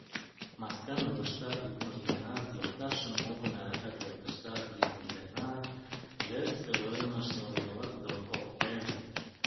Масканурыштат лӱдмыж денак йолташым муын, арака кевытыштат лӱдмыж денак вес пӧлемыш нылйола кудал колтен.